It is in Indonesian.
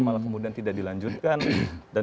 malah kemudian tidak dilanjutkan